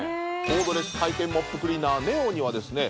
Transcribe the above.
コードレス回転モップクリーナーＮｅｏにはですね